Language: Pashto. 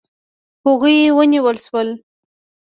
هغوی ونیول شول.